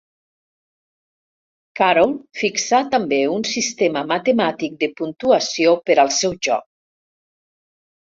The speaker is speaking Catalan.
Carroll fixà també un sistema matemàtic de puntuació per al seu joc.